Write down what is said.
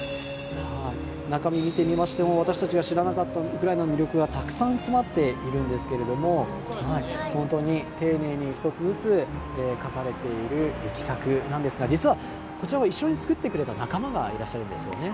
中を見てみましても私たちが知らなかったウクライナの魅力が、たくさん詰まっているんですけれども本当に丁寧に１つずつ書かれている力作なんですが実は、こちらを一緒に作ってくれた仲間がいらっしゃるんですよね。